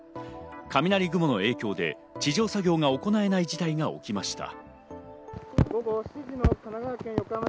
雷雲の影響で地上作業が行えない事態が起きました。